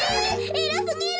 えらすぎる！